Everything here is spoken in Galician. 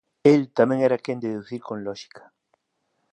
El tamén era quen de deducir con lóxica.